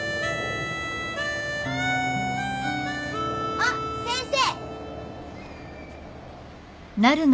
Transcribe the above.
あっ先生！